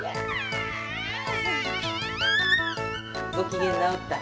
ごきげんなおった？